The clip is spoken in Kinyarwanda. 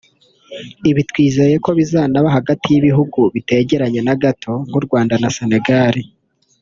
Ibi twizeye ko bizanaba hagati y’ibihugu bitegeranye na gato nk’u Rwanda na Senegal